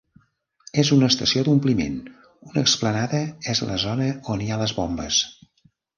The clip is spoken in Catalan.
En una estació d'ompliment, una explanada és la zona on hi ha les bombes.